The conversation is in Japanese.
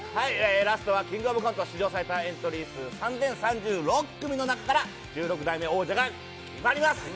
ラストは「キングオブコント」史上最多エントリー数３０３６組の中から１６代目王者が決まります